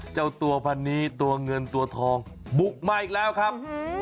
เจ้าตัวพันนี้ตัวเงินตัวทองบุกมาอีกแล้วครับ